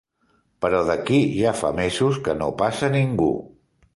Però d'aquí ja fa mesos que no passa ningú.